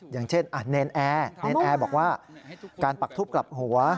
อย่างเช่นเนรนแอร์บอกว่าการปักทุบกลับหัว